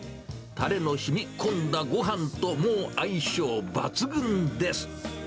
たれのしみこんだごはんと、もう相性抜群です。